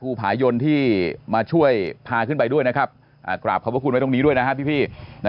ผายนที่มาช่วยพาขึ้นไปด้วยนะครับกราบขอบพระคุณไว้ตรงนี้ด้วยนะครับพี่